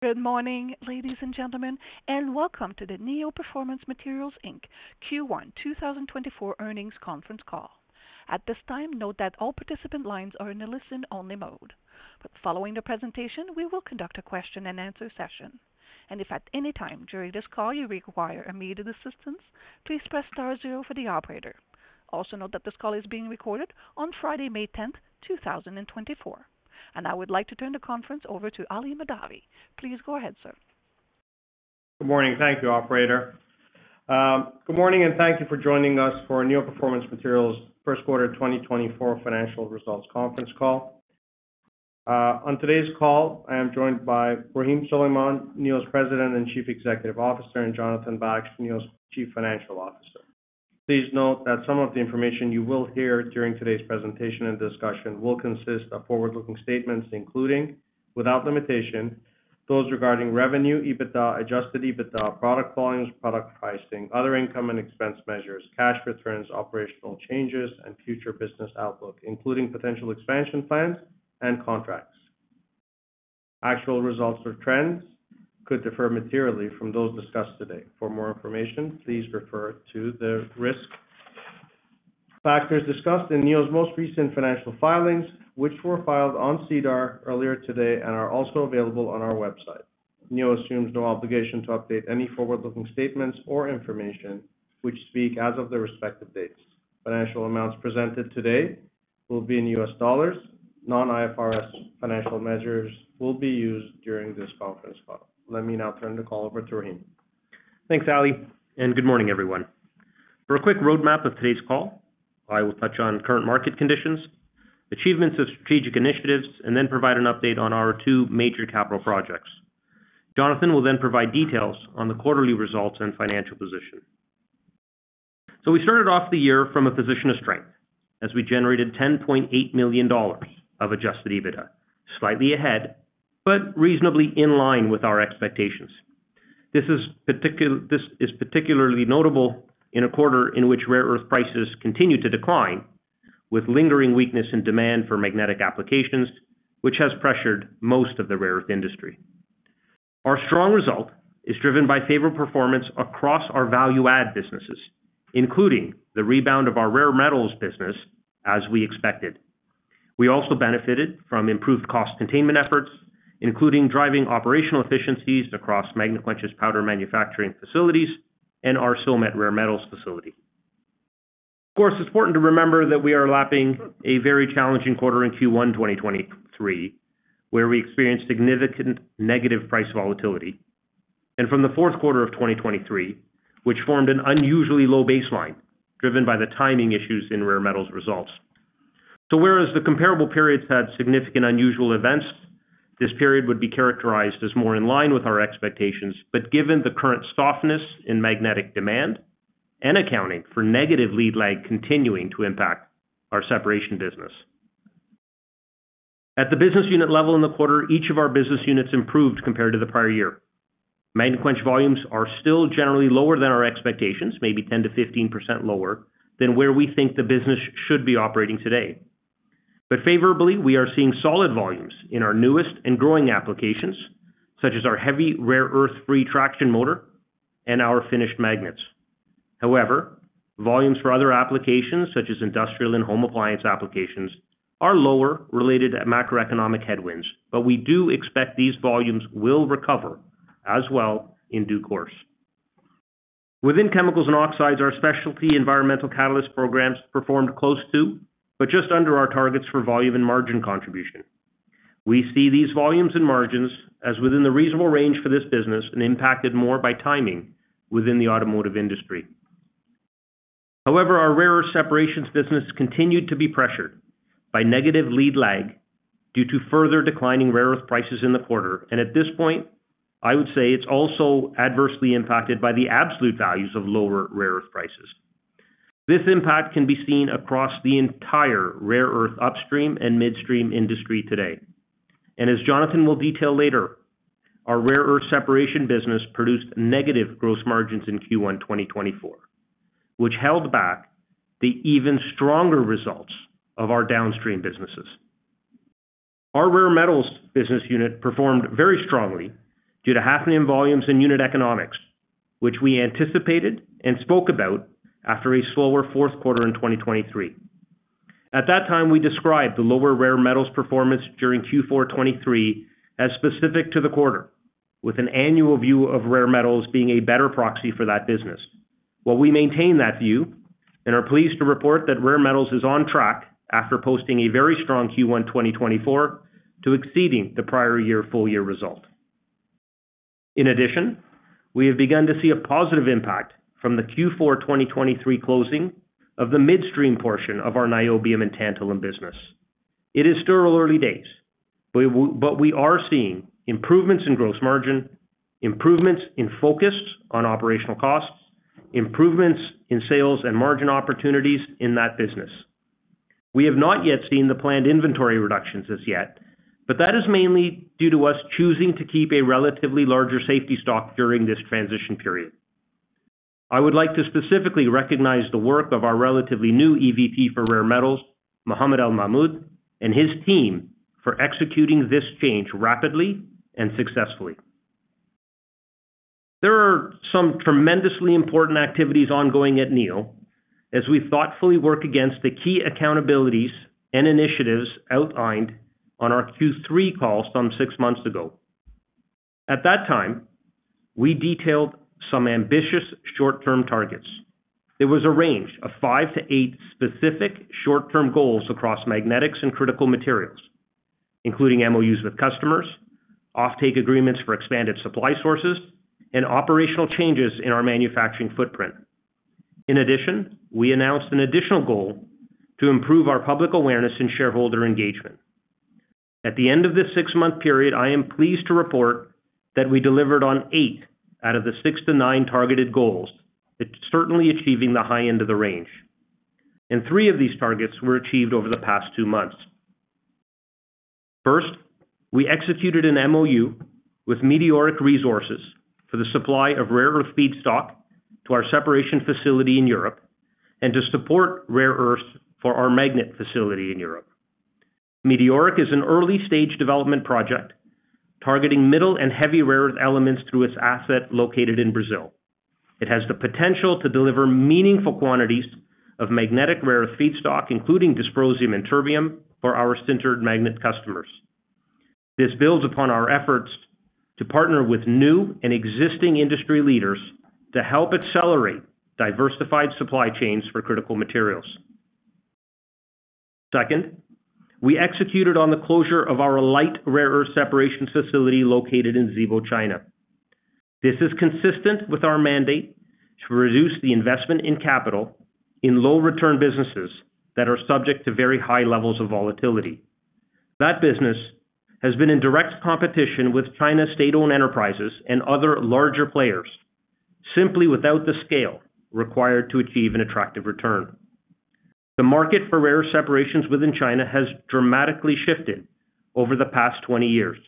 Good morning, ladies and gentlemen, and welcome to the Neo Performance Materials, Inc. Q1 2024 earnings conference call. At this time, note that all participant lines are in a listen-only mode, but following the presentation we will conduct a question-and-answer session. If at any time during this call you require immediate assistance, please press star 0 for the operator. Also note that this call is being recorded on Friday, May 10, 2024. I would like to turn the conference over to Ali Mahdavi. Please go ahead, sir. Good morning. Thank you, operator. Good morning, and thank you for joining us for Neo Performance Materials' first quarter 2024 financial results conference call. On today's call, I am joined by Rahim Suleman, Neo's President and Chief Executive Officer, and Jonathan Baksh, Neo's Chief Financial Officer. Please note that some of the information you will hear during today's presentation and discussion will consist of forward-looking statements including, without limitation, those regarding revenue, EBITDA, adjusted EBITDA, product volumes, product pricing, other income and expense measures, cash returns, operational changes, and future business outlook, including potential expansion plans and contracts. Actual results or trends could differ materially from those discussed today. For more information, please refer to the risk factors discussed in Neo's most recent financial filings, which were filed on SEDAR earlier today and are also available on our website. Neo assumes no obligation to update any forward-looking statements or information which speak as of their respective dates. Financial amounts presented today will be in U.S. dollars. Non-IFRS financial measures will be used during this conference call. Let me now turn the call over to Rahim. Thanks, Ali, and good morning, everyone. For a quick roadmap of today's call, I will touch on current market conditions, achievements of strategic initiatives, and then provide an update on our two major capital projects. Jonathan will then provide details on the quarterly results and financial position. We started off the year from a position of strength as we generated $10.8 million of Adjusted EBITDA, slightly ahead but reasonably in line with our expectations. This is particularly notable in a quarter in which rare earth prices continue to decline, with lingering weakness in demand for magnetic applications, which has pressured most of the rare earth industry. Our strong result is driven by favorable performance across our value-add businesses, including the rebound of our Rare Metals business as we expected. We also benefited from improved cost containment efforts, including driving operational efficiencies across Magnequench powder manufacturing facilities and our Silmet rare metals facility. Of course, it's important to remember that we are lapping a very challenging quarter in Q1 2023, where we experienced significant negative price volatility, and from the fourth quarter of 2023, which formed an unusually low baseline driven by the timing issues in rare metals results. So whereas the comparable periods had significant unusual events, this period would be characterized as more in line with our expectations, but given the current softness in magnetic demand and accounting for negative lead lag continuing to impact our separation business. At the business unit level in the quarter, each of our business units improved compared to the prior year. Magnet volumes are still generally lower than our expectations, maybe 10%-15% lower than where we think the business should be operating today. But favorably, we are seeing solid volumes in our newest and growing applications, such as our heavy rare earth-free traction motor and our finished magnets. However, volumes for other applications, such as industrial and home appliance applications, are lower related to macroeconomic headwinds, but we do expect these volumes will recover as well in due course. Within Chemicals and Oxides, our specialty environmental catalyst programs performed close to, but just under our targets for volume and margin contribution. We see these volumes and margins as within the reasonable range for this business and impacted more by timing within the automotive industry. However, our rare earth separations business continued to be pressured by negative lead lag due to further declining rare earth prices in the quarter, and at this point, I would say it's also adversely impacted by the absolute values of lower rare earth prices. This impact can be seen across the entire rare earth upstream and midstream industry today. As Jonathan will detail later, our rare earth separation business produced negative gross margins in Q1 2024, which held back the even stronger results of our downstream businesses. Our rare metals business unit performed very strongly due to higher volumes and unit economics, which we anticipated and spoke about after a slower fourth quarter in 2023. At that time, we described the lower rare metals performance during Q4 2023 as specific to the quarter, with an annual view of rare metals being a better proxy for that business. While we maintain that view, and are pleased to report that Rare Metals is on track after posting a very strong Q1 2024 to exceeding the prior year full-year result. In addition, we have begun to see a positive impact from the Q4 2023 closing of the midstream portion of our niobium and tantalum business. It is still early days, but we are seeing improvements in gross margin, improvements in focus on operational costs, improvements in sales and margin opportunities in that business. We have not yet seen the planned inventory reductions as yet, but that is mainly due to us choosing to keep a relatively larger safety stock during this transition period. I would like to specifically recognize the work of our relatively new EVP for Rare Metals, Mohamad El-Mahmoud, and his team for executing this change rapidly and successfully. There are some tremendously important activities ongoing at Neo as we thoughtfully work against the key accountabilities and initiatives outlined on our Q3 call some six months ago. At that time, we detailed some ambitious short-term targets. There was a range of 5-8 specific short-term goals across magnetics and critical materials, including MOUs with customers, offtake agreements for expanded supply sources, and operational changes in our manufacturing footprint. In addition, we announced an additional goal to improve our public awareness and shareholder engagement. At the end of this six-month period, I am pleased to report that we delivered on eight out of the 6-9 targeted goals, certainly achieving the high end of the range. And three of these targets were achieved over the past two months. First, we executed an MOU with Meteoric Resources for the supply of rare earth feedstock to our separation facility in Europe and to support rare earth for our magnet facility in Europe. Meteoric is an early-stage development project targeting middle and heavy rare earth elements through its asset located in Brazil. It has the potential to deliver meaningful quantities of magnetic rare earth feedstock, including dysprosium and terbium, for our sintered magnet customers. This builds upon our efforts to partner with new and existing industry leaders to help accelerate diversified supply chains for critical materials. Second, we executed on the closure of our light rare earth separation facility located in Zibo, China. This is consistent with our mandate to reduce the investment in capital in low-return businesses that are subject to very high levels of volatility. That business has been in direct competition with China state-owned enterprises and other larger players, simply without the scale required to achieve an attractive return. The market for rare separations within China has dramatically shifted over the past 20 years,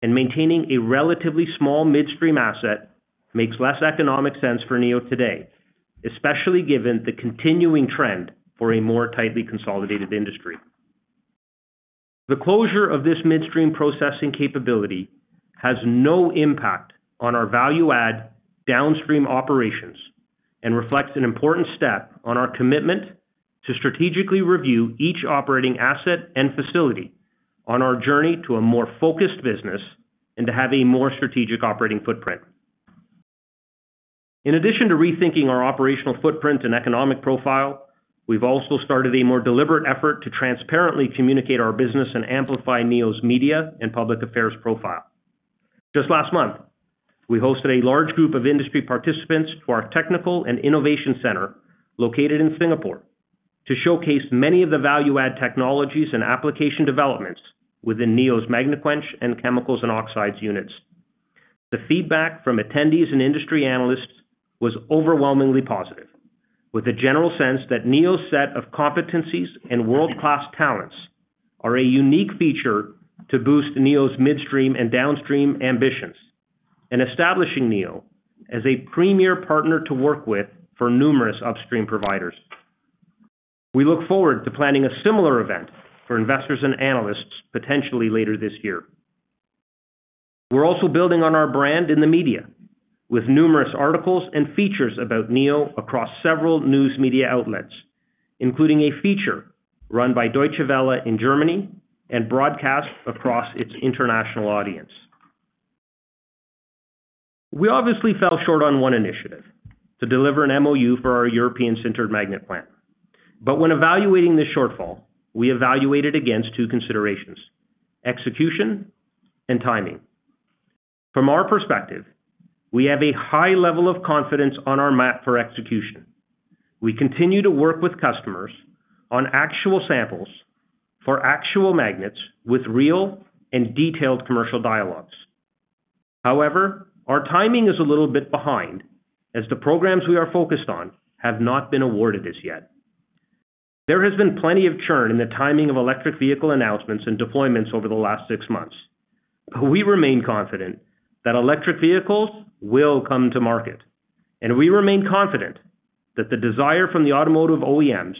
and maintaining a relatively small midstream asset makes less economic sense for Neo today, especially given the continuing trend for a more tightly consolidated industry. The closure of this midstream processing capability has no impact on our value-add downstream operations and reflects an important step on our commitment to strategically review each operating asset and facility on our journey to a more focused business and to have a more strategic operating footprint. In addition to rethinking our operational footprint and economic profile, we've also started a more deliberate effort to transparently communicate our business and amplify Neo's media and public affairs profile. Just last month, we hosted a large group of industry participants to our Technical and Innovation Center located in Singapore to showcase many of the value-add technologies and application developments within Neo's Magnequench, chemicals and oxides units. The feedback from attendees and industry analysts was overwhelmingly positive, with a general sense that Neo's set of competencies and world-class talents are a unique feature to boost Neo's midstream and downstream ambitions and establishing Neo as a premier partner to work with for numerous upstream providers. We look forward to planning a similar event for investors and analysts potentially later this year. We're also building on our brand in the media with numerous articles and features about Neo across several news media outlets, including a feature run by Deutsche Welle in Germany and broadcast across its international audience. We obviously fell short on one initiative to deliver an MOU for our European sintered magnet plant. But when evaluating this shortfall, we evaluated against two considerations: execution and timing. From our perspective, we have a high level of confidence on our map for execution. We continue to work with customers on actual samples for actual magnets with real and detailed commercial dialogues. However, our timing is a little bit behind as the programs we are focused on have not been awarded as yet. There has been plenty of churn in the timing of electric vehicle announcements and deployments over the last six months, but we remain confident that electric vehicles will come to market. We remain confident that the desire from the automotive OEMs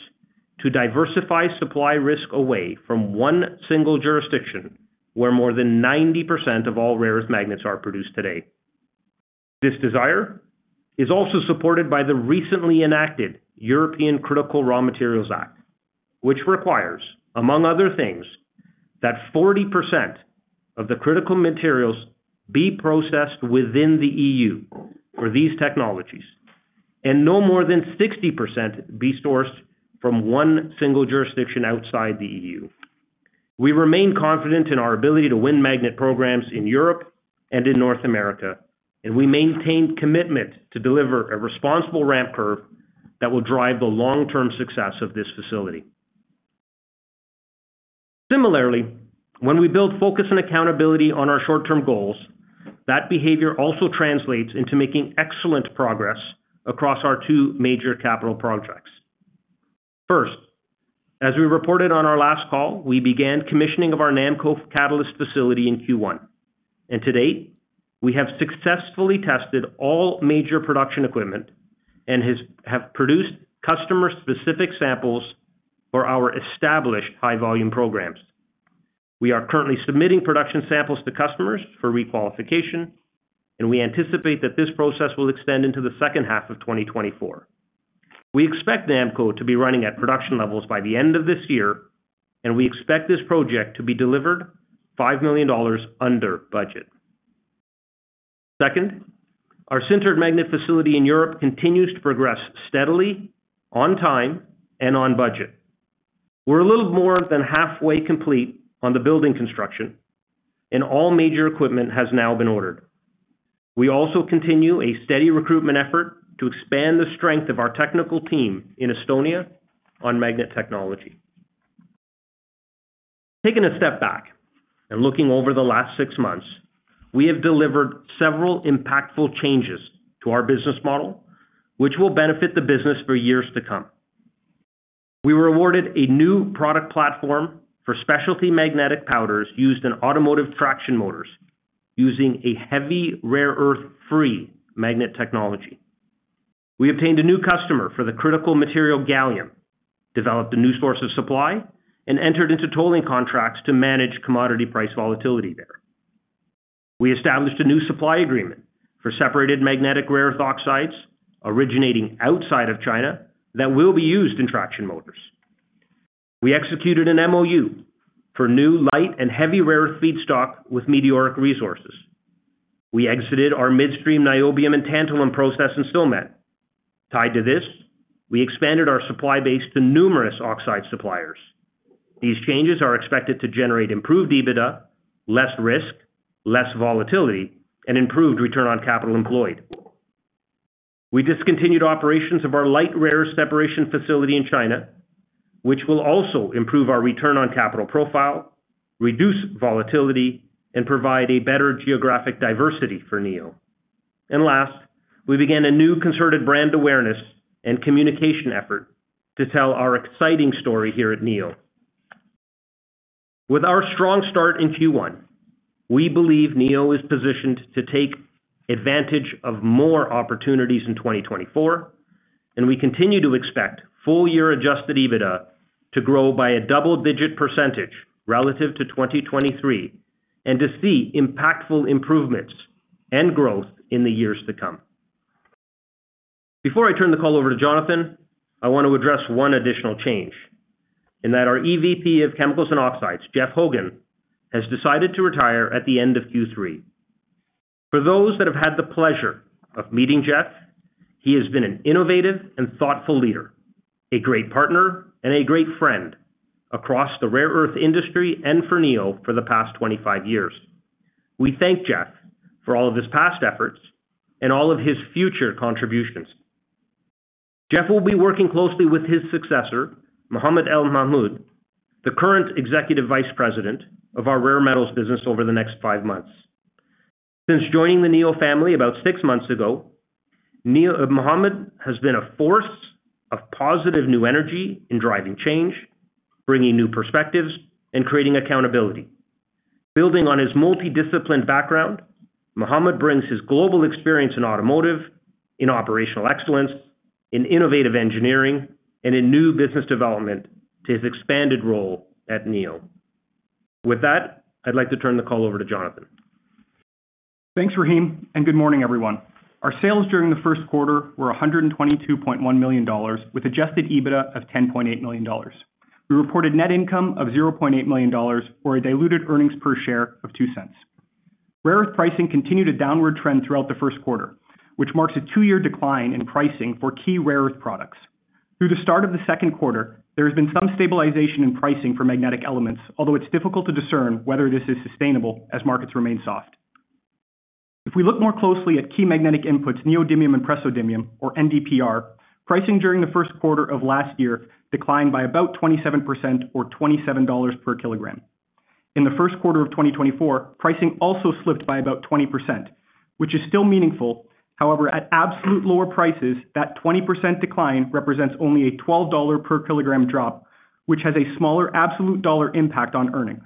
to diversify supply risk away from one single jurisdiction where more than 90% of all rare earth magnets are produced today. This desire is also supported by the recently enacted European Critical Raw Materials Act, which requires, among other things, that 40% of the critical materials be processed within the EU for these technologies and no more than 60% be sourced from one single jurisdiction outside the EU. We remain confident in our ability to win magnet programs in Europe and in North America, and we maintain commitment to deliver a responsible ramp curve that will drive the long-term success of this facility. Similarly, when we build focus and accountability on our short-term goals, that behavior also translates into making excellent progress across our two major capital projects. First, as we reported on our last call, we began commissioning of our NAMCO catalyst facility in Q1. To date, we have successfully tested all major production equipment and have produced customer-specific samples for our established high-volume programs. We are currently submitting production samples to customers for requalification, and we anticipate that this process will extend into the second half of 2024. We expect NAMCO to be running at production levels by the end of this year, and we expect this project to be delivered $5 million under budget. Second, our sintered magnet facility in Europe continues to progress steadily on time and on budget. We're a little more than halfway complete on the building construction, and all major equipment has now been ordered. We also continue a steady recruitment effort to expand the strength of our technical team in Estonia on magnet technology. Taking a step back and looking over the last six months, we have delivered several impactful changes to our business model, which will benefit the business for years to come. We were awarded a new product platform for specialty magnetic powders used in automotive traction motors using a heavy rare earth-free magnet technology. We obtained a new customer for the critical material gallium, developed a new source of supply, and entered into tolling contracts to manage commodity price volatility there. We established a new supply agreement for separated magnetic rare earth oxides originating outside of China that will be used in traction motors. We executed an MOU for new light and heavy rare earth feedstock with Meteoric Resources. We exited our midstream niobium and tantalum process in Silmet. Tied to this, we expanded our supply base to numerous oxide suppliers. These changes are expected to generate improved EBITDA, less risk, less volatility, and improved Return on Capital Employed. We discontinued operations of our light rare earth separation facility in China, which will also improve our return on capital profile, reduce volatility, and provide a better geographic diversity for Neo. And last, we began a new concerted brand awareness and communication effort to tell our exciting story here at Neo. With our strong start in Q1, we believe Neo is positioned to take advantage of more opportunities in 2024, and we continue to expect full-year Adjusted EBITDA to grow by a double-digit % relative to 2023 and to see impactful improvements and growth in the years to come. Before I turn the call over to Jonathan, I want to address one additional change, in that our EVP of chemicals and oxides, Jeff Hogan, has decided to retire at the end of Q3. For those that have had the pleasure of meeting Jeff, he has been an innovative and thoughtful leader, a great partner, and a great friend across the rare earth industry and for Neo for the past 25 years. We thank Jeff for all of his past efforts and all of his future contributions. Jeff will be working closely with his successor, Mohammed El Mahmoud, the current Executive Vice President of our Rare Metals business over the next five months. Since joining the Neo family about six months ago, Mohammed has been a force of positive new energy in driving change, bringing new perspectives, and creating accountability. Building on his multidisciplined background, Mohammed brings his global experience in automotive, in operational excellence, in innovative engineering, and in new business development to his expanded role at Neo. With that, I'd like to turn the call over to Jonathan. Thanks, Rahim, and good morning, everyone. Our sales during the first quarter were $122.1 million with Adjusted EBITDA of $10.8 million. We reported net income of $0.8 million or a diluted earnings per share of $0.02. Rare earth pricing continued a downward trend throughout the first quarter, which marks a two-year decline in pricing for key rare earth products. Through the start of the second quarter, there has been some stabilization in pricing for magnetic elements, although it's difficult to discern whether this is sustainable as markets remain soft. If we look more closely at key magnetic inputs, neodymium and praseodymium, or NdPr, pricing during the first quarter of last year declined by about 27% or $27 per kilogram. In the first quarter of 2024, pricing also slipped by about 20%, which is still meaningful. However, at absolute lower prices, that 20% decline represents only a $12 per kilogram drop, which has a smaller absolute dollar impact on earnings.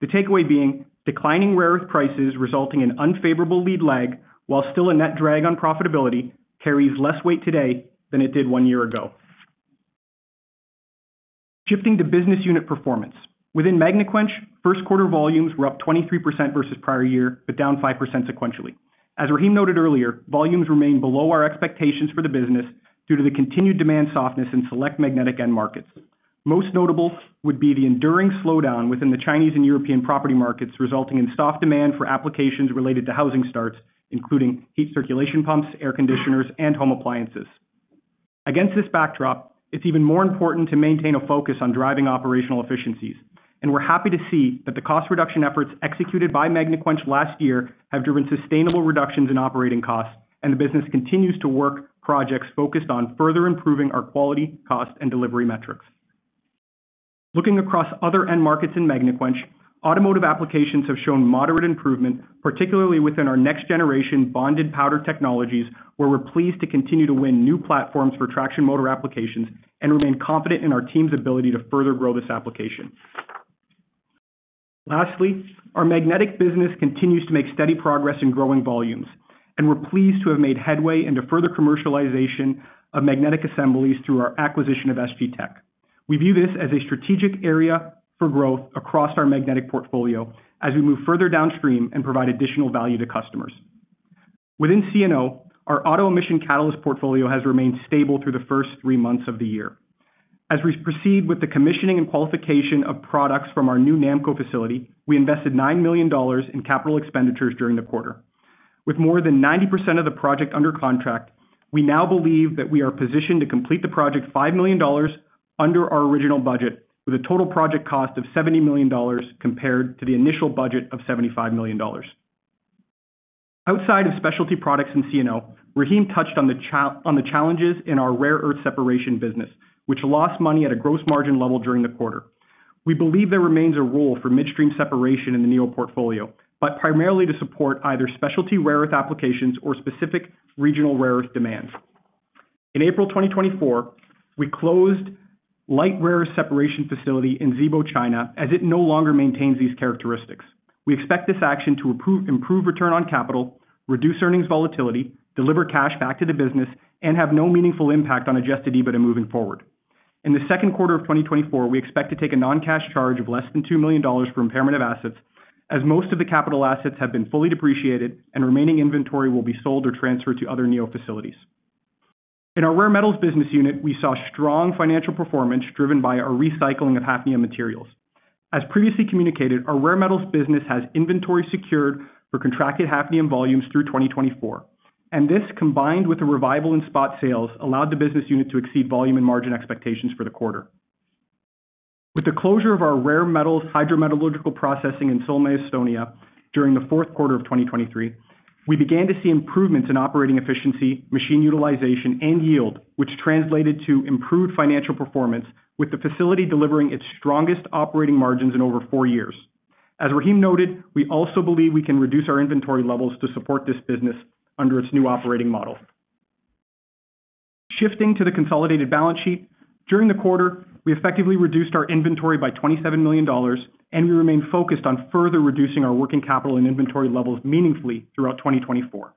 The takeaway being, declining rare earth prices resulting in unfavorable lead lag while still a net drag on profitability carries less weight today than it did one year ago. Shifting to business unit performance. Within Magnequench, first quarter volumes were up 23% versus prior year but down 5% sequentially. As Rahim noted earlier, volumes remain below our expectations for the business due to the continued demand softness in select magnetic end markets. Most notable would be the enduring slowdown within the Chinese and European property markets resulting in soft demand for applications related to housing starts, including heat circulation pumps, air conditioners, and home appliances. Against this backdrop, it's even more important to maintain a focus on driving operational efficiencies. We're happy to see that the cost reduction efforts executed by Magnequench last year have driven sustainable reductions in operating costs, and the business continues to work projects focused on further improving our quality, cost, and delivery metrics. Looking across other end markets in Magnequench, automotive applications have shown moderate improvement, particularly within our next-generation bonded powder technologies, where we're pleased to continue to win new platforms for traction motor applications and remain confident in our team's ability to further grow this application. Lastly, our magnetic business continues to make steady progress in growing volumes, and we're pleased to have made headway into further commercialization of magnetic assemblies through our acquisition of SG Tech. We view this as a strategic area for growth across our magnetic portfolio as we move further downstream and provide additional value to customers. Within C&O, our auto emission catalyst portfolio has remained stable through the first three months of the year. As we proceed with the commissioning and qualification of products from our new NAMCO facility, we invested $9 million in capital expenditures during the quarter. With more than 90% of the project under contract, we now believe that we are positioned to complete the project $5 million under our original budget with a total project cost of $70 million compared to the initial budget of $75 million. Outside of specialty products in C&O, Rahim touched on the challenges in our rare earth separation business, which lost money at a gross margin level during the quarter. We believe there remains a role for midstream separation in the Neo portfolio, but primarily to support either specialty rare earth applications or specific regional rare earth demands. In April 2024, we closed light rare earth separation facility in Zibo, China, as it no longer maintains these characteristics. We expect this action to improve return on capital, reduce earnings volatility, deliver cash back to the business, and have no meaningful impact on adjusted EBITDA moving forward. In the second quarter of 2024, we expect to take a non-cash charge of less than $2 million for impairment of assets as most of the capital assets have been fully depreciated and remaining inventory will be sold or transferred to other Neo facilities. In our rare metals business unit, we saw strong financial performance driven by our recycling of hafnium materials. As previously communicated, our rare metals business has inventory secured for contracted hafnium volumes through 2024, and this combined with a revival in spot sales allowed the business unit to exceed volume and margin expectations for the quarter. With the closure of our rare metals hydrometallurgical processing in Silmet, Estonia, during the fourth quarter of 2023, we began to see improvements in operating efficiency, machine utilization, and yield, which translated to improved financial performance with the facility delivering its strongest operating margins in over four years. As Rahim noted, we also believe we can reduce our inventory levels to support this business under its new operating model. Shifting to the consolidated balance sheet, during the quarter, we effectively reduced our inventory by $27 million, and we remain focused on further reducing our working capital and inventory levels meaningfully throughout 2024.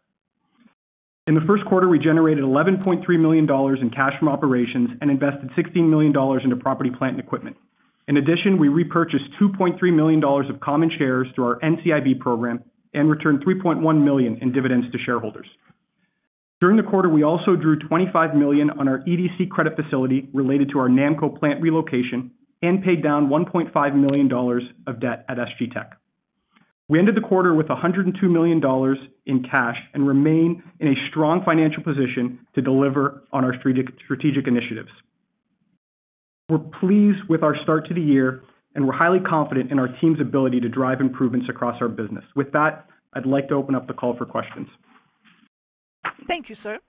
In the first quarter, we generated $11.3 million in cash from operations and invested $16 million into property, plant, and equipment. In addition, we repurchased $2.3 million of common shares through our NCIB program and returned $3.1 million in dividends to shareholders. During the quarter, we also drew $25 million on our EDC credit facility related to our NAMCO plant relocation and paid down $1.5 million of debt at SG Tech. We ended the quarter with $102 million in cash and remain in a strong financial position to deliver on our strategic initiatives. We're pleased with our start to the year, and we're highly confident in our team's ability to drive improvements across our business. With that, I'd like to open up the call for questions. Thank you, sir.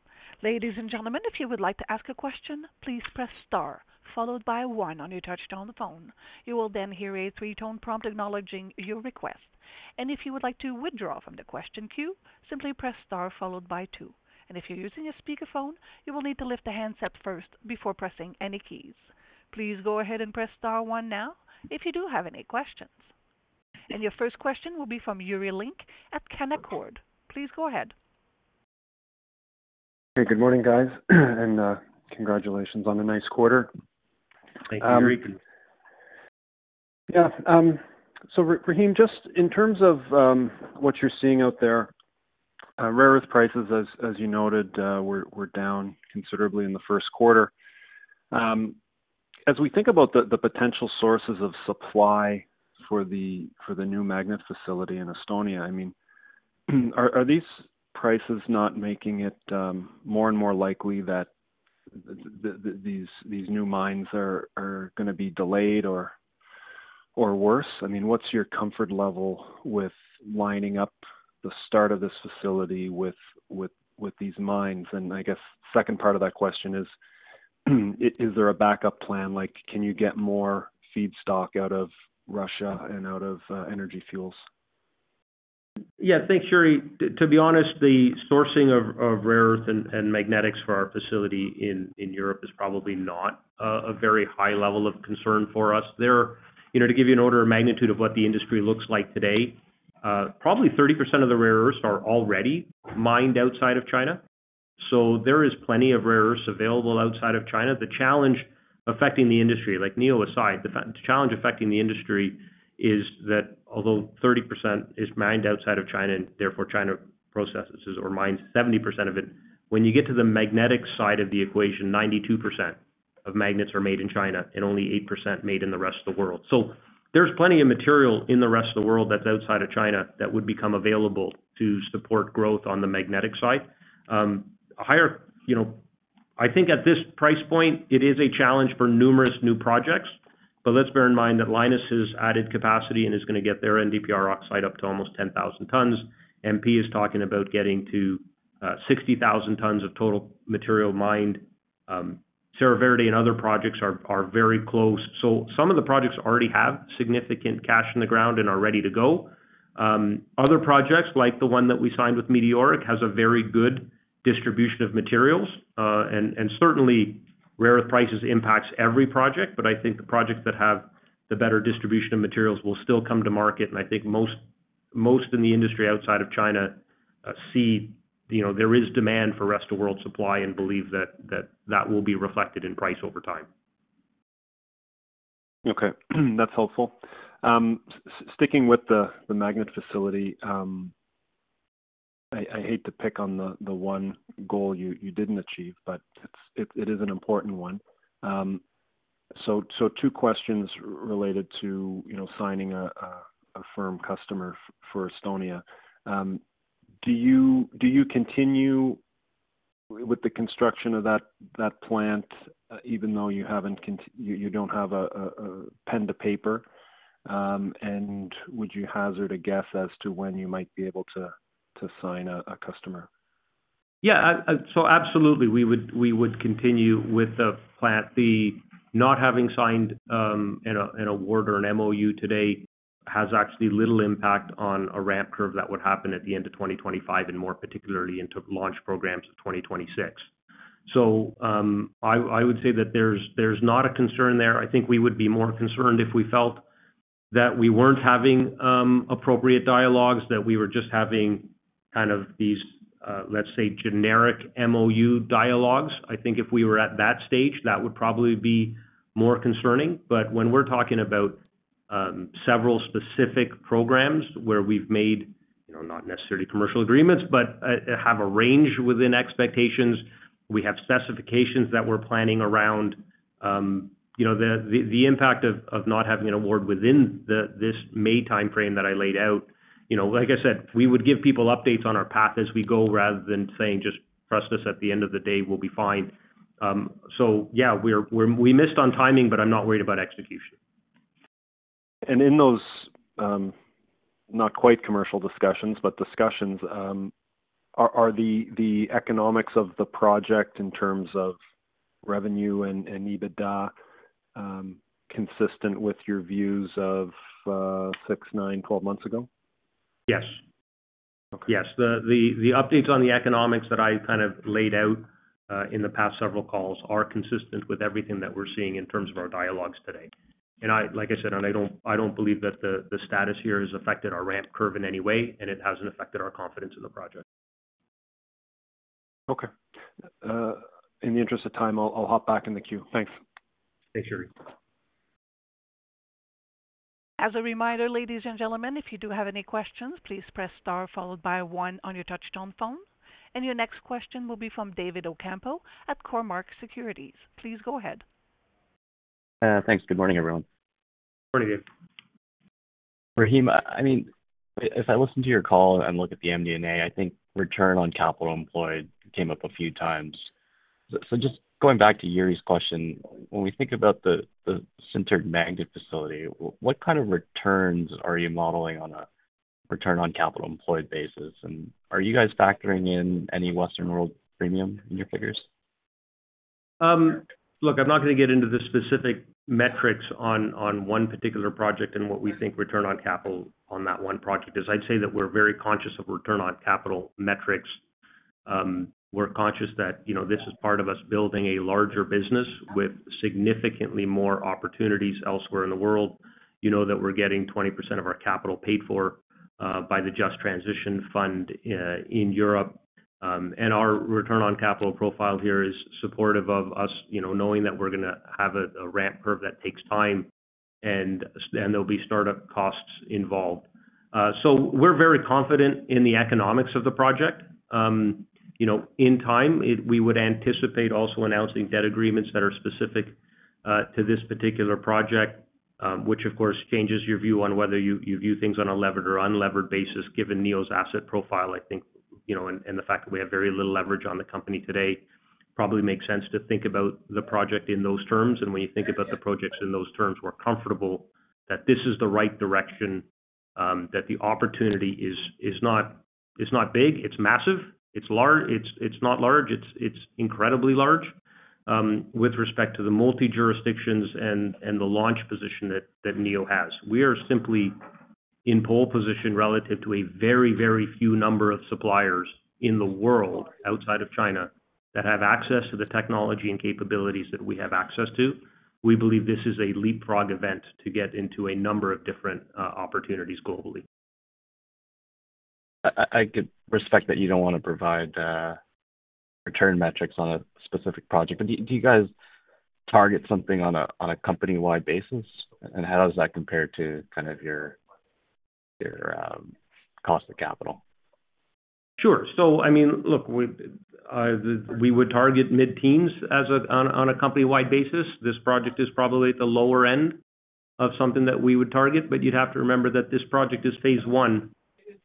Ladies and gentlemen, if you would like to ask a question, please press star followed by one on your touch-tone phone. You will then hear a three-tone prompt acknowledging your request. If you would like to withdraw from the question queue, simply press star followed by two. If you're using a speakerphone, you will need to lift the handset up first before pressing any keys. Please go ahead and press star one now if you do have any questions. Your first question will be from Yuri Lynk at Canaccord. Please go ahead. Hey, good morning, guys. Congratulations on a nice quarter. Thank you, Yuri. Yeah. So, Rahim, just in terms of what you're seeing out there, rare earth prices, as you noted, were down considerably in the first quarter. As we think about the potential sources of supply for the new magnet facility in Estonia, I mean, are these prices not making it more and more likely that these new mines are going to be delayed or worse? I mean, what's your comfort level with lining up the start of this facility with these mines? And I guess the second part of that question is, is there a backup plan? Can you get more feedstock out of Russia and out of Energy Fuels? Yeah, thanks, Yuri. To be honest, the sourcing of rare earth and magnetics for our facility in Europe is probably not a very high level of concern for us. To give you an order of magnitude of what the industry looks like today, probably 30% of the rare earth are already mined outside of China. So there is plenty of rare earth available outside of China. The challenge affecting the industry, like Neo aside, the challenge affecting the industry is that although 30% is mined outside of China and therefore China processes or mines 70% of it, when you get to the magnetic side of the equation, 92% of magnets are made in China and only 8% made in the rest of the world. So there's plenty of material in the rest of the world that's outside of China that would become available to support growth on the magnetic side. I think at this price point, it is a challenge for numerous new projects. But let's bear in mind that Lynas has added capacity and is going to get their NdPr oxide up to almost 10,000 tons. MP is talking about getting to 60,000 tons of total material mined. Serra Verde and other projects are very close. So some of the projects already have significant cash in the ground and are ready to go. Other projects, like the one that we signed with Meteoric, has a very good distribution of materials. And certainly, rare earth prices impact every project, but I think the projects that have the better distribution of materials will still come to market. And I think most in the industry outside of China see there is demand for rest of world supply and believe that that will be reflected in price over time. Okay. That's helpful. Sticking with the magnet facility, I hate to pick on the one goal you didn't achieve, but it is an important one. So two questions related to signing a firm customer for Estonia. Do you continue with the construction of that plant even though you don't have a pen to paper? And would you hazard a guess as to when you might be able to sign a customer? Yeah. So absolutely, we would continue with the plant. The not having signed an award or an MOU today has actually little impact on a ramp curve that would happen at the end of 2025 and more particularly into launch programs of 2026. So I would say that there's not a concern there. I think we would be more concerned if we felt that we weren't having appropriate dialogues, that we were just having kind of these, let's say, generic MOU dialogues. I think if we were at that stage, that would probably be more concerning. But when we're talking about several specific programs where we've made not necessarily commercial agreements, but have a range within expectations, we have specifications that we're planning around the impact of not having an award within this May timeframe that I laid out. Like I said, we would give people updates on our path as we go rather than saying just, "Trust us. At the end of the day, we'll be fine." So yeah, we missed on timing, but I'm not worried about execution. In those not quite commercial discussions, but discussions, are the economics of the project in terms of revenue and EBITDA consistent with your views of 6, 9, 12 months ago? Yes. Yes. The updates on the economics that I kind of laid out in the past several calls are consistent with everything that we're seeing in terms of our dialogues today. And like I said, I don't believe that the status here has affected our ramp curve in any way, and it hasn't affected our confidence in the project. Okay. In the interest of time, I'll hop back in the queue. Thanks. Thanks, Yuri. As a reminder, ladies and gentlemen, if you do have any questions, please press star followed by one on your touch-tone phone. Your next question will be from David Ocampo at Cormark Securities. Please go ahead. Thanks. Good morning, everyone. Morning, Dave. Rahim, I mean, if I listen to your call and look at the MD&A, I think Return on Capital Employed came up a few times. So just going back to Yuri's question, when we think about the sintered magnet facility, what kind of returns are you modeling on a Return on Capital Employed basis? And are you guys factoring in any Western World premium in your figures? Look, I'm not going to get into the specific metrics on one particular project and what we think return on capital on that one project. I'd say that we're very conscious of return on capital metrics. We're conscious that this is part of us building a larger business with significantly more opportunities elsewhere in the world, that we're getting 20% of our capital paid for by the Just Transition Fund in Europe. Our return on capital profile here is supportive of us knowing that we're going to have a ramp curve that takes time and there'll be startup costs involved. We're very confident in the economics of the project. In time, we would anticipate also announcing debt agreements that are specific to this particular project, which, of course, changes your view on whether you view things on a levered or unlevered basis. Given Neo's asset profile, I think, and the fact that we have very little leverage on the company today, probably makes sense to think about the project in those terms. When you think about the projects in those terms, we're comfortable that this is the right direction, that the opportunity is not big. It's massive. It's not large. It's incredibly large with respect to the multi-jurisdictions and the launch position that Neo has. We are simply in pole position relative to a very, very few number of suppliers in the world outside of China that have access to the technology and capabilities that we have access to. We believe this is a leapfrog event to get into a number of different opportunities globally. I could respect that you don't want to provide return metrics on a specific project. But do you guys target something on a company-wide basis? And how does that compare to kind of your cost of capital? Sure. So I mean, look, we would target mid-teens on a company-wide basis. This project is probably at the lower end of something that we would target. But you'd have to remember that this project is phase one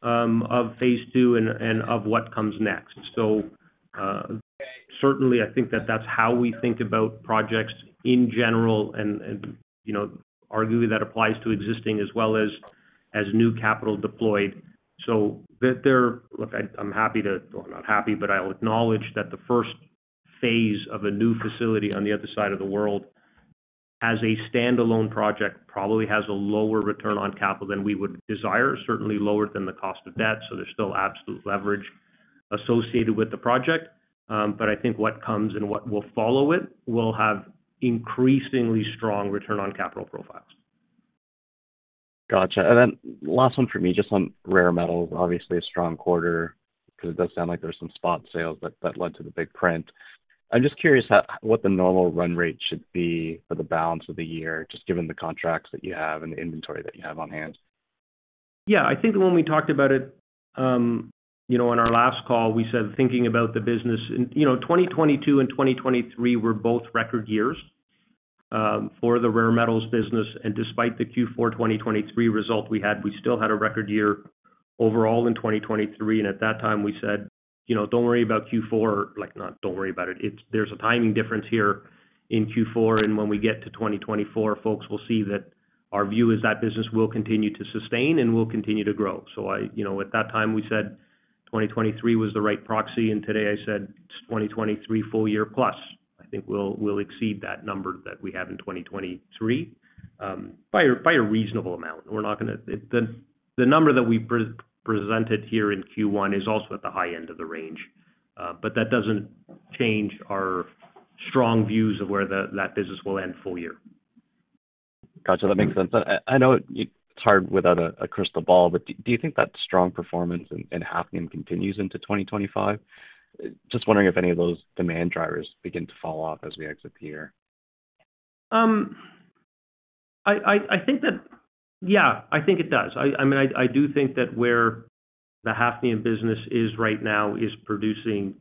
of phase two and of what comes next. So certainly, I think that that's how we think about projects in general and arguably that applies to existing as well as new capital deployed. So look, I'm happy to well, not happy, but I'll acknowledge that the first phase of a new facility on the other side of the world as a standalone project probably has a lower return on capital than we would desire, certainly lower than the cost of debt. So there's still absolute leverage associated with the project. But I think what comes and what will follow it will have increasingly strong return on capital profiles. Gotcha. And then last one for me, just on Rare Metals, obviously a strong quarter because it does sound like there were some spot sales that led to the big print. I'm just curious what the normal run rate should be for the balance of the year, just given the contracts that you have and the inventory that you have on hand? Yeah. I think the one we talked about it on our last call, we said thinking about the business 2022 and 2023 were both record years for the Rare Metals business. And despite the Q4 2023 result we had, we still had a record year overall in 2023. And at that time, we said, "Don't worry about Q4." Not don't worry about it. There's a timing difference here in Q4. And when we get to 2024, folks will see that our view is that business will continue to sustain and will continue to grow. So at that time, we said 2023 was the right proxy. And today, I said it's 2023 full year plus. I think we'll exceed that number that we have in 2023 by a reasonable amount. We're not going to the number that we presented here in Q1 is also at the high end of the range. But that doesn't change our strong views of where that business will end full year. Gotcha. That makes sense. I know it's hard without a crystal ball, but do you think that strong performance in hafnium continues into 2025? Just wondering if any of those demand drivers begin to fall off as we exit the year. I think that yeah, I think it does. I mean, I do think that where the hafnium business is right now is producing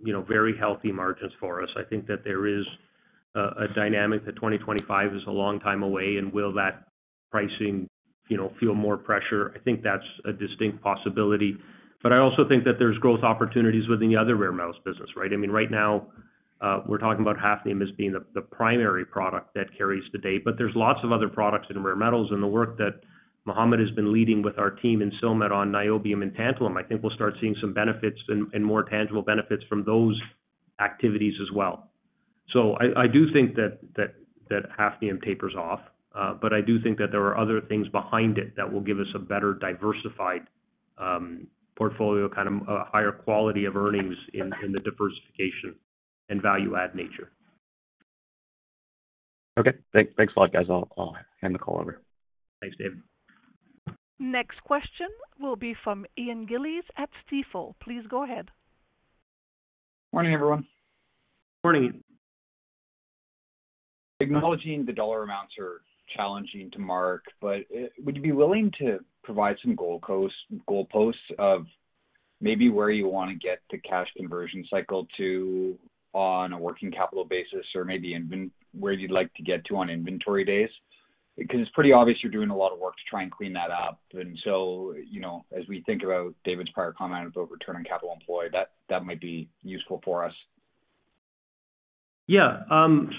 very healthy margins for us. I think that there is a dynamic that 2025 is a long time away. Will that pricing feel more pressure? I think that's a distinct possibility. But I also think that there's growth opportunities within the other Rare Metals business, right? I mean, right now, we're talking about hafnium as being the primary product that carries the date. But there's lots of other products in Rare Metals. The work that Mohammed has been leading with our team in Silmet on niobium and tantalum, I think we'll start seeing some benefits and more tangible benefits from those activities as well. So I do think that hafnium tapers off. But I do think that there are other things behind it that will give us a better diversified portfolio, kind of a higher quality of earnings in the diversification and value-add nature. Okay. Thanks a lot, guys. I'll hand the call over. Thanks, David. Next question will be from Ian Gillies at Stifel. Please go ahead. Morning, everyone. Morning. Acknowledging the dollar amounts are challenging to mark, but would you be willing to provide some goalposts of maybe where you want to get the cash conversion cycle to on a working capital basis or maybe where you'd like to get to on inventory days? Because it's pretty obvious you're doing a lot of work to try and clean that up. And so as we think about David's prior comment about return on capital employed, that might be useful for us. Yeah.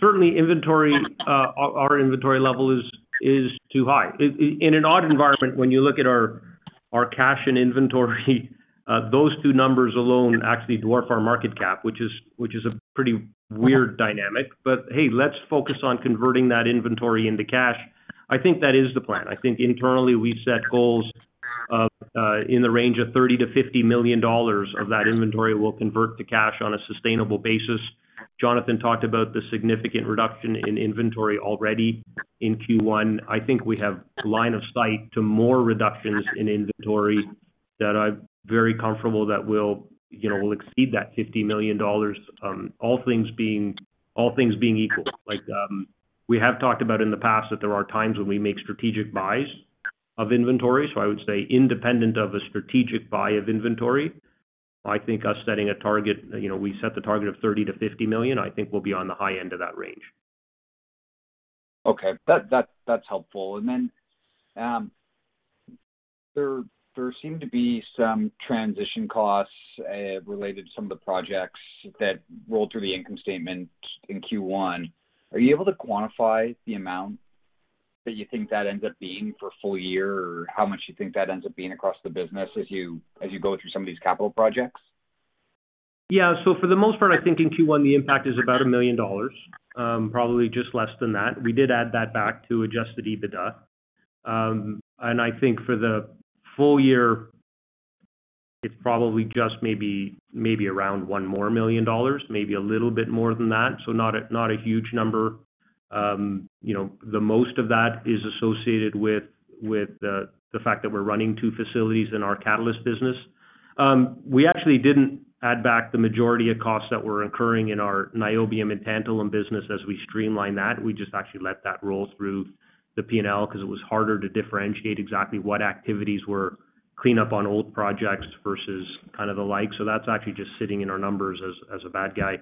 Certainly, our inventory level is too high. In an odd environment, when you look at our cash and inventory, those two numbers alone actually dwarf our market cap, which is a pretty weird dynamic. But hey, let's focus on converting that inventory into cash. I think that is the plan. I think internally, we've set goals in the range of $30 million-$50 million of that inventory will convert to cash on a sustainable basis. Jonathan talked about the significant reduction in inventory already in Q1. I think we have line of sight to more reductions in inventory that I'm very comfortable that will exceed that $50 million, all things being equal. We have talked about in the past that there are times when we make strategic buys of inventory. I would say independent of a strategic buy of inventory, I think us setting a target we set the target of $30 million-$50 million, I think we'll be on the high end of that range. Okay. That's helpful. Then there seem to be some transition costs related to some of the projects that roll through the income statement in Q1. Are you able to quantify the amount that you think that ends up being for full year or how much you think that ends up being across the business as you go through some of these capital projects? Yeah. So for the most part, I think in Q1, the impact is about $1 million, probably just less than that. We did add that back to Adjusted EBITDA. And I think for the full year, it's probably just maybe around one more $1 million, maybe a little bit more than that. So not a huge number. The most of that is associated with the fact that we're running two facilities in our catalyst business. We actually didn't add back the majority of costs that were occurring in our Niobium and Tantalum business as we streamline that. We just actually let that roll through the P&L because it was harder to differentiate exactly what activities were cleanup on old projects versus kind of the like. So that's actually just sitting in our numbers as a bad guy.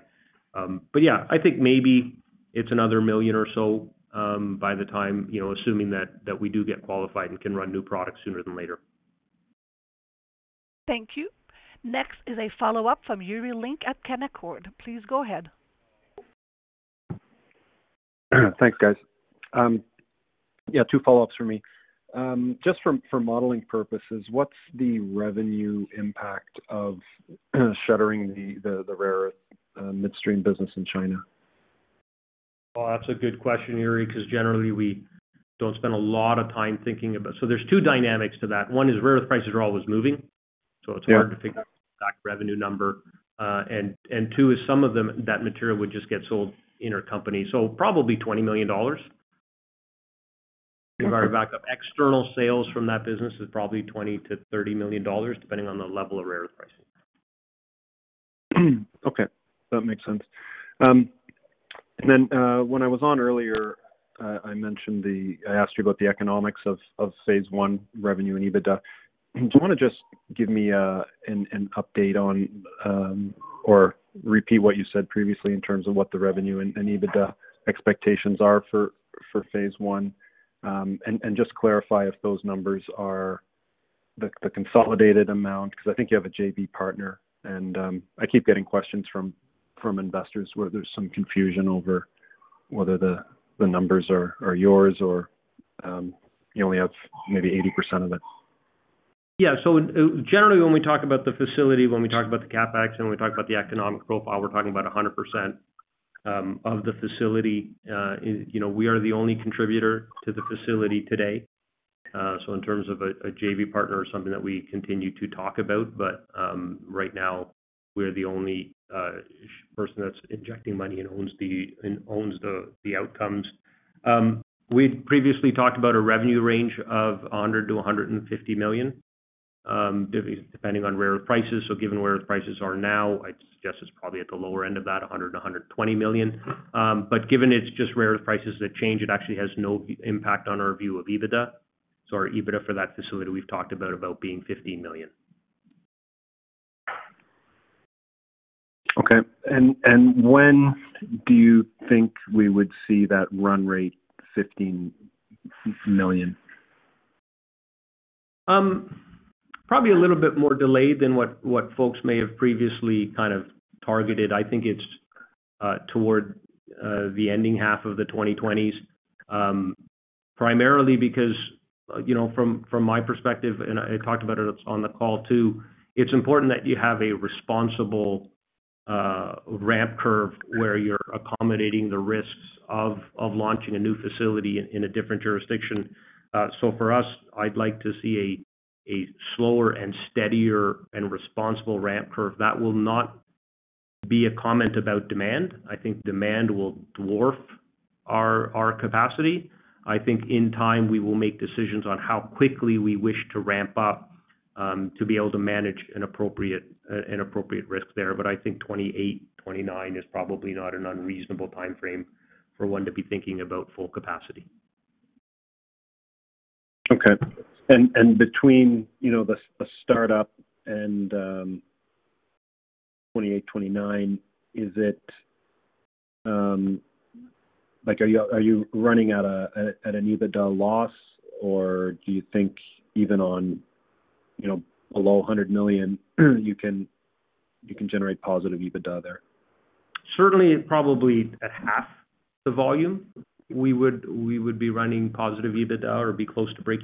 But yeah, I think maybe it's another $1 million or so by the time, assuming that we do get qualified and can run new products sooner than later. Thank you. Next is a follow-up from Yuri Lynk at Canaccord Genuity. Please go ahead. Thanks, guys. Yeah, two follow-ups for me. Just for modeling purposes, what's the revenue impact of shuttering the rare earth midstream business in China? Well, that's a good question, Yuri, because generally, we don't spend a lot of time thinking about, so there's two dynamics to that. One is rare earth prices are always moving. So it's hard to figure out the exact revenue number. And two is some of that material would just get sold intercompany. So probably $20 million. If I were to back up, external sales from that business is probably $20-$30 million, depending on the level of rare earth pricing. Okay. That makes sense. And then when I was on earlier, I mentioned I asked you about the economics of phase one revenue and EBITDA. Do you want to just give me an update on or repeat what you said previously in terms of what the revenue and EBITDA expectations are for phase one? And just clarify if those numbers are the consolidated amount because I think you have a JV partner. And I keep getting questions from investors where there's some confusion over whether the numbers are yours or you only have maybe 80% of it. Yeah. So generally, when we talk about the facility, when we talk about the CapEx, and when we talk about the economic profile, we're talking about 100% of the facility. We are the only contributor to the facility today. So in terms of a JV partner or something that we continue to talk about, but right now, we're the only person that's injecting money and owns the outcomes. We'd previously talked about a revenue range of $100 million-$150 million, depending on rare earth prices. So given where earth prices are now, I'd suggest it's probably at the lower end of that, $100 million-$120 million. But given it's just rare earth prices that change, it actually has no impact on our view of EBITDA. So our EBITDA for that facility we've talked about being $15 million. Okay. When do you think we would see that run rate, $15 million? Probably a little bit more delayed than what folks may have previously kind of targeted. I think it's toward the ending half of the 2020s, primarily because from my perspective, and I talked about it on the call too, it's important that you have a responsible ramp curve where you're accommodating the risks of launching a new facility in a different jurisdiction. So for us, I'd like to see a slower and steadier and responsible ramp curve. That will not be a comment about demand. I think demand will dwarf our capacity. I think in time, we will make decisions on how quickly we wish to ramp up to be able to manage an appropriate risk there. But I think 2028, 2029 is probably not an unreasonable time frame for one to be thinking about full capacity. Okay. And between the startup and 2028, 2029, are you running at an EBITDA loss? Or do you think even on below $100 million, you can generate positive EBITDA there? Certainly, probably at half the volume, we would be running positive EBITDA or be close to break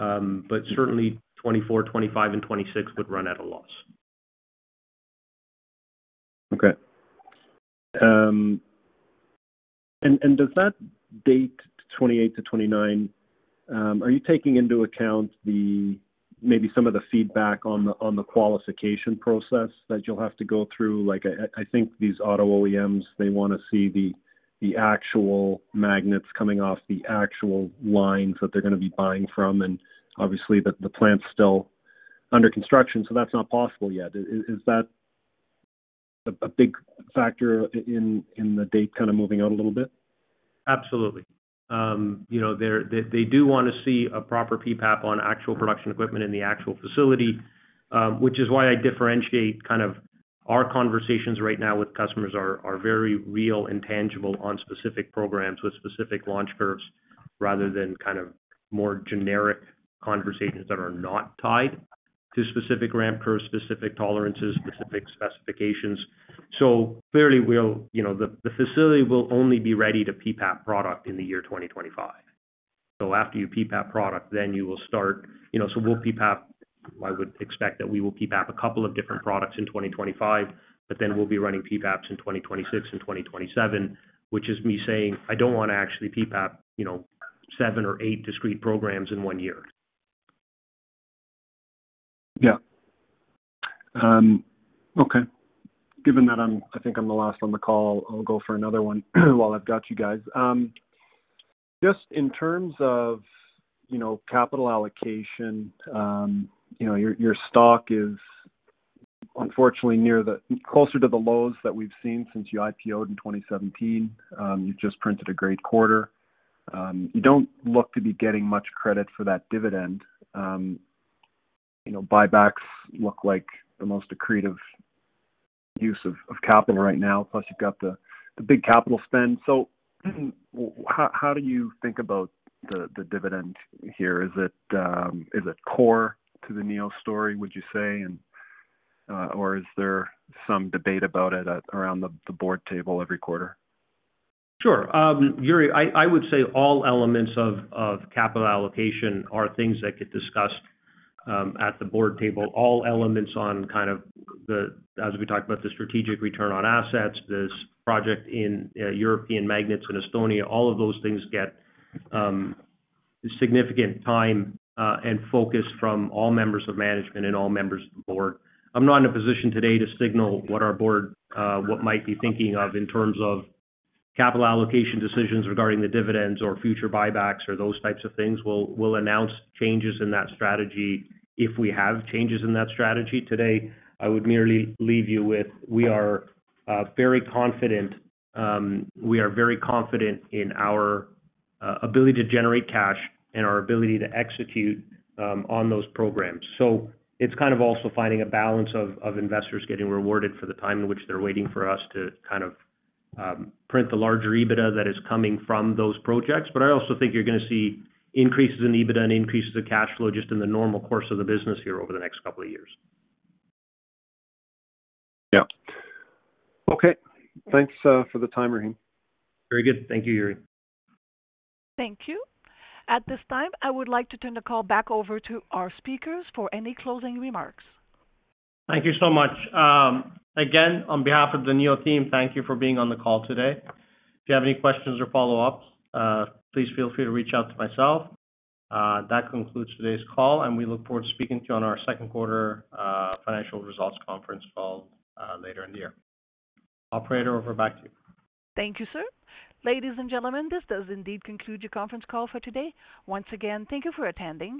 even. Certainly, 2024, 2025, and 2026 would run at a loss. Okay. And does that date, 2028-2029, are you taking into account maybe some of the feedback on the qualification process that you'll have to go through? I think these auto OEMs, they want to see the actual magnets coming off the actual lines that they're going to be buying from. And obviously, the plant's still under construction. So that's not possible yet. Is that a big factor in the date kind of moving out a little bit? Absolutely. They do want to see a proper PPAP on actual production equipment in the actual facility, which is why I differentiate kind of our conversations right now with customers are very real and tangible on specific programs with specific launch curves rather than kind of more generic conversations that are not tied to specific ramp curves, specific tolerances, specific specifications. So clearly, the facility will only be ready to PPAP product in the year 2025. So after you PPAP product, then you will start so we'll PPAP I would expect that we will PPAP a couple of different products in 2025. But then we'll be running PPAPs in 2026 and 2027, which is me saying I don't want to actually PPAP seven or 8 discrete programs in one year. Yeah. Okay. Given that I think I'm the last on the call, I'll go for another one while I've got you guys. Just in terms of capital allocation, your stock is unfortunately closer to the lows that we've seen since you IPOed in 2017. You've just printed a great quarter. You don't look to be getting much credit for that dividend. Buybacks look like the most accretive use of capital right now. Plus, you've got the big capital spend. So how do you think about the dividend here? Is it core to the Neo story, would you say? Or is there some debate about it around the board table every quarter? Sure. Yuri, I would say all elements of capital allocation are things that get discussed at the board table. All elements on kind of the as we talked about the strategic return on assets, this project in European magnets in Estonia, all of those things get significant time and focus from all members of management and all members of the board. I'm not in a position today to signal what our board might be thinking of in terms of capital allocation decisions regarding the dividends or future buybacks or those types of things. We'll announce changes in that strategy if we have changes in that strategy. Today, I would merely leave you with we are very confident in our ability to generate cash and our ability to execute on those programs. So it's kind of also finding a balance of investors getting rewarded for the time in which they're waiting for us to kind of print the larger EBITDA that is coming from those projects. But I also think you're going to see increases in EBITDA and increases of cash flow just in the normal course of the business here over the next couple of years. Yeah. Okay. Thanks for the time, Rahim. Very good. Thank you, Yuri. Thank you. At this time, I would like to turn the call back over to our speakers for any closing remarks. Thank you so much. Again, on behalf of the Neo team, thank you for being on the call today. If you have any questions or follow-ups, please feel free to reach out to myself. That concludes today's call. We look forward to speaking to you on our second quarter financial results conference call later in the year. Operator, over back to you. Thank you, sir. Ladies and gentlemen, this does indeed conclude your conference call for today. Once again, thank you for attending.